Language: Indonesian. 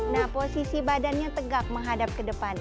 nah posisi badannya tegak menghadap ke depan